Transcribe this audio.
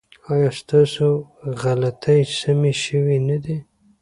ایا ستاسو غلطۍ سمې شوې نه دي؟